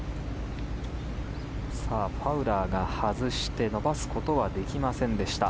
ファウラーが外して伸ばすことはできませんでした。